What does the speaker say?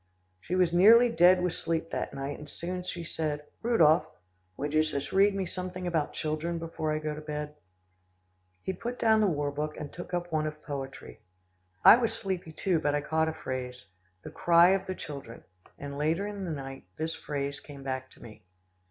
She was nearly dead with sleep that night, and soon she said, "Rudolph, would you just read me something about children, before I go to bed?" He put down the war book, and took up one of poetry. I was sleepy too, but I caught a phrase, "The cry of the children," and later in the night, this phrase came back to me.